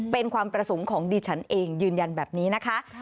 เป็นความประสงค์ของดิฉันเองยืนยันแบบนี้นะคะ